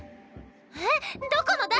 えっどこの誰？